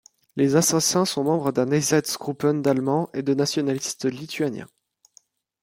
Les assassins sont membres d'un einsatzgruppen d'Allemands et de nationalistes lituaniens.